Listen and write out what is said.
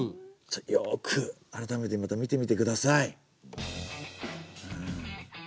よく改めてまた見てみてください。